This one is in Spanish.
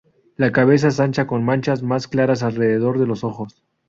La cabeza es ancha con manchas más claras alrededor de los ojos.